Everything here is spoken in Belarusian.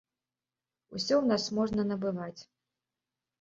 Усё ў нас можна набываць.